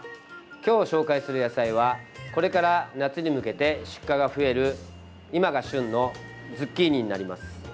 今日、紹介する野菜はこれから夏に向けて出荷が増える今が旬のズッキーニになります。